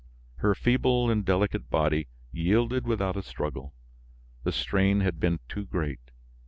Her feeble and delicate body yielded without a struggle; the strain had been too great.